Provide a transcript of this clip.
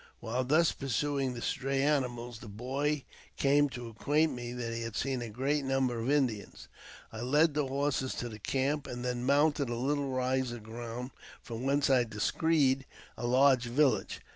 While thus pursuing the stray animals, the boy came to acquaint me that he had seen a great number of Indians. I led the horses to the camp, and then mounted a little rise of ground, from whence I descried a large village.